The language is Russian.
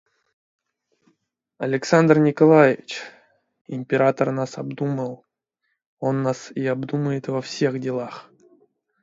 Александр Николаевич Император нас обдумал, он нас и обдумает во всех делах.